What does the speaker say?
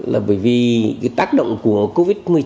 là bởi vì cái tác động của covid một mươi chín